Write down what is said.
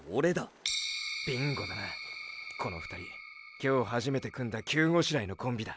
今日初めて組んだ急ごしらえのコンビだ。